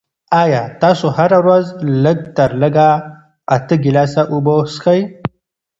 آیا تاسو هره ورځ لږ تر لږه اته ګیلاسه اوبه څښئ؟